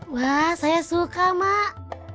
wah saya suka mak